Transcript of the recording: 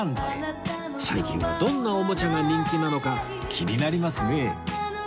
最近はどんなおもちゃが人気なのか気になりますね